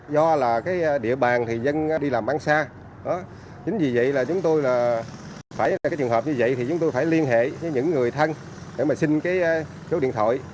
do là cái địa bàn thì dân đi làm ăn xa chính vì vậy là chúng tôi là phải cái trường hợp như vậy thì chúng tôi phải liên hệ với những người thân để mà xin cái số điện thoại